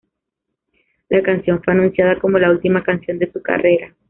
La canción fue anunciada como la última canción de su carrera.